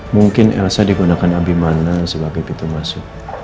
mungkin elsa digunakan abimana sebagai pintu masuk